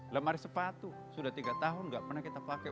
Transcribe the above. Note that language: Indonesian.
lemari sepatu sudah tiga tahun nggak pernah kita pakai